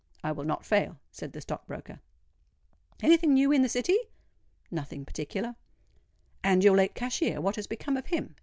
"I will not fail," said the stock broker. "Any thing new in the City?" "Nothing particular." "And your late cashier—what has become of him?"